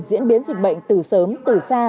diễn biến dịch bệnh từ sớm từ xa